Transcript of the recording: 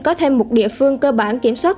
có thêm một địa phương cơ bản kiểm soát